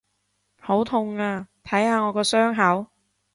好痛啊！睇下我個傷口！